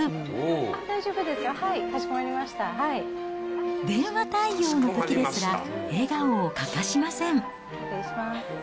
大丈夫ですよ、電話対応のときですら、笑顔失礼します。